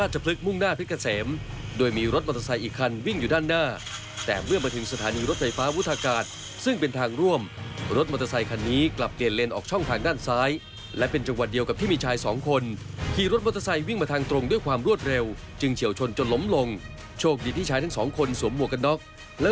เจอกันติดตามพร้อมกับอีกหลายเหตุการณ์ที่เกิดขึ้นครับ